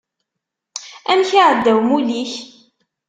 Amek iεedda umulli-k?